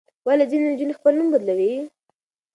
ولې ځینې نجونې خپل نوم بدلوي؟